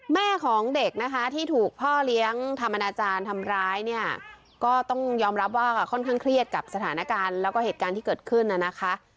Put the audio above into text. แม่ของเด็กนะคะที่ถูกพ่อเลี้ยงทำอนาจารย์ทำร้ายเนี่ยก็ต้องยอมรับว่าค่อนข้างเครียดกับสถานการณ์แล้วก็เหตุการณ์ที่เกิดขึ้นน่ะนะคะ